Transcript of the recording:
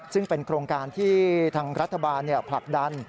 ซึ่งเป็นโครงการที่ทางรัฐบาลผลักดัน